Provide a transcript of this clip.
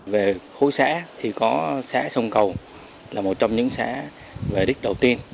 về khối xã thì có xã sông cầu là một trong những xã về đích đầu tiên